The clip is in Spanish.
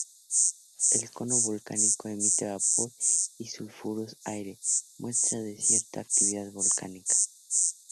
El cono volcánico emite vapor y sulfuros al aire, muestras de cierta actividad volcánica.